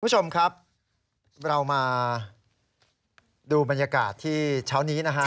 คุณผู้ชมครับเรามาดูบรรยากาศที่เช้านี้นะฮะ